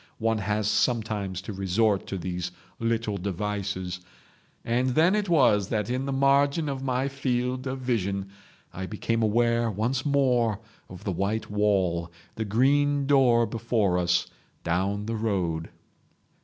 One has sometimes to resort to these little devices. .... And then it was that in the margin of my field of vision I became aware once more of the white wall, the green door before us down the road.